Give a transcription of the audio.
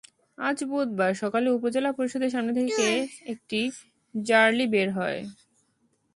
আজ বুধবার সকালে উপজেলা পরিষদের সামনে থেকে একটি র্যালি বের হয়।